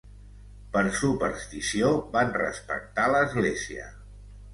Per superstició van respectar l'Església.